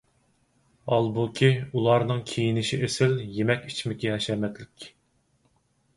ھالبۇكى، ئۇلارنىڭ كىيىنىشى ئېسىل، يېمەك ـ ئىچمىكى ھەشەمەتلىك.